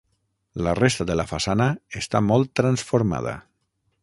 La resta de la façana està molt transformada.